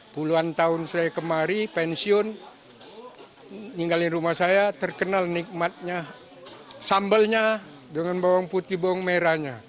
puluhan tahun saya kemari pensiun ninggalin rumah saya terkenal nikmatnya sambalnya dengan bawang putih bawang merahnya